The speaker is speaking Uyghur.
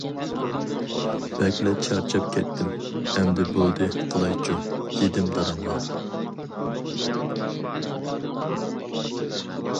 بەكلا چارچاپ كەتتىم، ئەمدى بولدى قىلايچۇ!- دېدىم دادامغا.